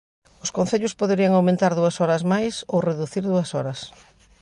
Os concellos poderían aumentar dúas horas máis ou reducir dúas horas.